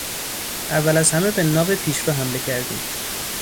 اول از همه به ناو پیشرو حمله کردیم.